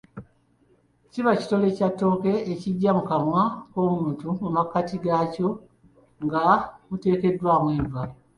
Kiba kitole kya ttooke ekigya mu kamwa k'omuntu mu makkati gaaky'o nga muteekeddwaamu enva.